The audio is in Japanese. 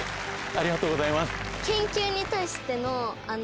ありがとうございます。